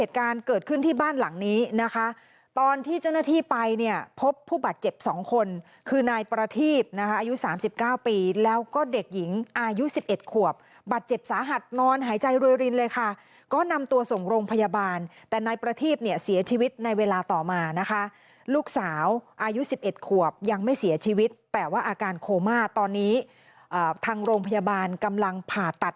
การเกิดขึ้นที่บ้านหลังนี้นะคะตอนที่เจ้าหน้าที่ไปเนี่ยพบผู้บาดเจ็บ๒คนคือนายประทีบนะคะอายุ๓๙ปีแล้วก็เด็กหญิงอายุ๑๑ขวบบาดเจ็บสาหัสนอนหายใจรวยรินเลยค่ะก็นำตัวส่งโรงพยาบาลแต่นายประทีพเนี่ยเสียชีวิตในเวลาต่อมานะคะลูกสาวอายุ๑๑ขวบยังไม่เสียชีวิตแต่ว่าอาการโคม่าตอนนี้ทางโรงพยาบาลกำลังผ่าตัด